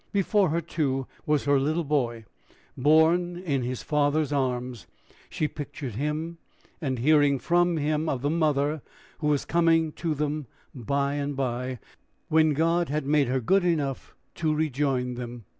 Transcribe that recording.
Before her, too, was her little boy borne in his father's arms, she pictured him, and hearing from him of the mother who was coming to them by and by, when God had made her good enough to rejoin them!